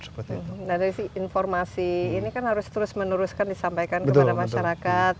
nah dari informasi ini kan harus terus meneruskan disampaikan kepada masyarakat